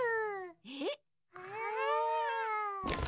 えっ！？